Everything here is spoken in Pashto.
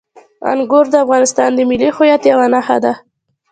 انګور د افغانستان د ملي هویت یوه نښه ده.